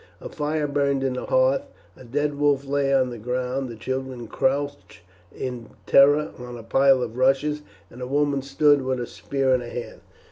A fire burned on the hearth. A dead wolf lay on the ground, the children crouched in terror on a pile of rushes, and a woman stood with a spear in her hand.